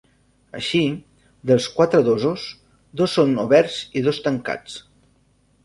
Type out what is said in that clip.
Així, dels quatre dosos, dos són oberts i dos tancats.